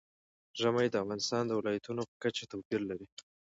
ژمی د افغانستان د ولایاتو په کچه توپیر لري.